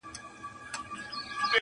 د كندو تر شا په غار كي نهامېږه!!